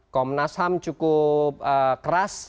komnas ham cukup keras